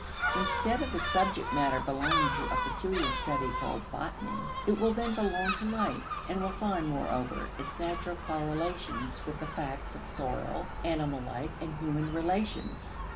Instead of the subject matter belonging to a peculiar study called botany, it will then belong to life, and will find, moreover, its natural correlations with the facts of soil, animal life, and human relations.